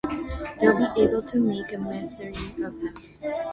They'll be able to make a martyr of him.